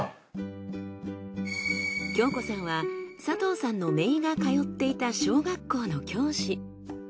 恭子さんは佐藤さんの姪が通っていた小学校の教師。